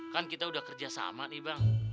kan kita udah kerja sama nih bang